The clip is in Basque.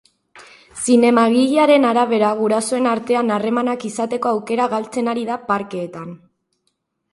Zinemagilearen arabera, gurasoen artean harremanak izateko aukera galtzen ari da parkeetan.